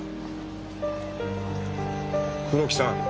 黒木さん。